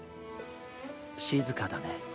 静かだね。